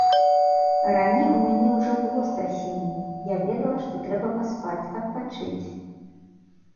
Раней у мяне ўжо было страсенне, я ведала, што трэба паспаць, адпачыць.